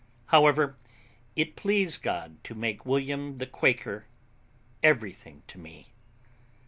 However, it pleased God to make William the Quaker everything to me.